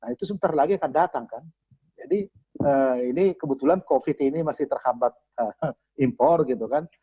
itu sebentar lagi akan datang kan jadi ini kebetulan covid ini masih terhambat impor gitu kan